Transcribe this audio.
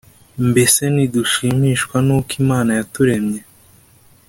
mbese ntidushimishwa nu ko imana yaturemeye